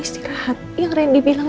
siapa yang dibilang